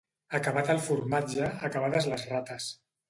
Acabat el formatge, acabades les rates.